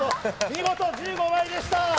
見事１５枚でした！